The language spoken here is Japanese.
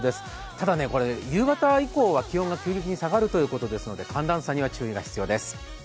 ただ夕方以降は気温が急激に下がるということですので寒暖差には注意が必要です。